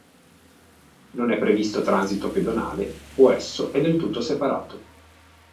Non è previsto transito pedonale, o esso è del tutto separato.